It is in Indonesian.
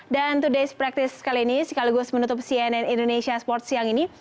dan today's practice kali ini sekaligus menutup cnn indonesia sports siang ini